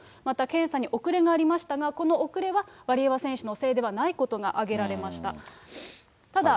また検査に遅れがありましたが、この遅れはワリエワ選手のせいではないことが挙げられました。